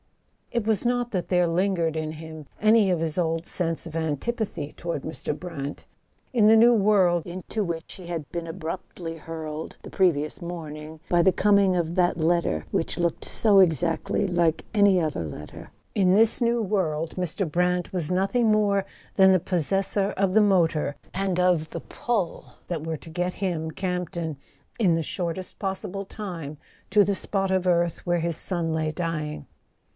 ?" It was not that there lingered in him any of his old sense of antipathy toward Mr. Brant. In the new world into which he had been abruptly hurled, the previous morning, by the coming of that letter which looked so exactly like any other letter—in this new world Mr. Brant was nothing more than the possessor of the motor and of the "pull" that were to get him, Campton, in the shortest possible time, to the spot of earth where his son lay dying.